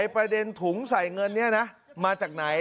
ประเด็นถุงใส่เงินนี้นะมาจากไหน